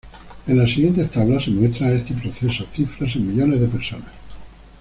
En la siguiente tabla se muestra este proceso, cifras en millones de personas.